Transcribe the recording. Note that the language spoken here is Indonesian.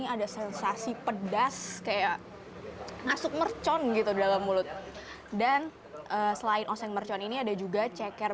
ada sensasi pedas kayak masuk mercon gitu dalam mulut dan selain oseng mercon ini ada juga ceker